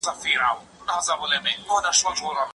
هغوی په خپلو ژوند کي د ساده ګۍ راوستلو لپاره غوښتني کمولې وې.